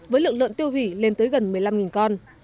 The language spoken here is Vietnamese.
với lượng lợn tiêu hủy lên tới gần một mươi năm con